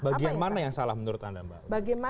bagian mana yang salah menurut anda mbak